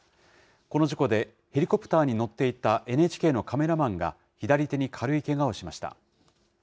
この事故で、ヘリコプターに乗っていたＮＨＫのカメラマンが左手に軽いけがをしました。